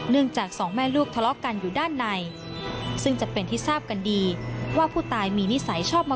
เนื่องจากสองแม่ลูกทะเลาะกันอยู่ด้านใน